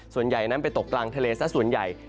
ส่วนใหญ่นั้นไปตกกลางทะเลซะส่วนใหญ่